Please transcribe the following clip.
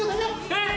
えっ？